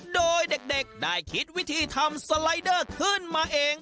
โดยเด็กได้คิดวิธีทำสไลเดอร์ขึ้นมาเอง